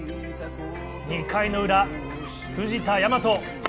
２回の裏、藤田倭。